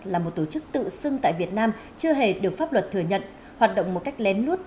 là một tổ chức tự xưng tại việt nam chưa hề được pháp luật thừa nhận hoạt động một cách lén lút